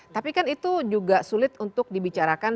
tapi kan itu juga sulit untuk dibicarakan